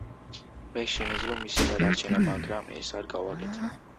მე შემეძლო მისი გადარჩენა, მაგრამ ეს არ გავაკეთე.